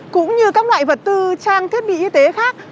cũng như các loại vật tư trang thiết bị y tế khác